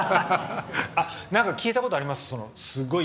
聞いたことあります。